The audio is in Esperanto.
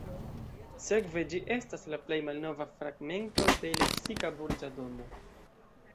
Sekve ĝi estas la plej malnova fragmento de lepsika burĝa domo.